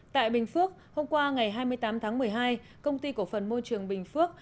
tại bình phước hôm qua ngày hai mươi tám tháng một mươi hai công ty cổ phần môi trường bình phước